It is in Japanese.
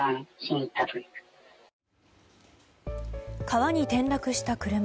川に転落した車。